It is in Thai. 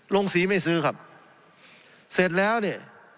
ลงสีไม่ซื้อครับเสร็จแล้วเนี่ย